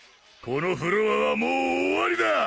このフロアはもう終わりだ！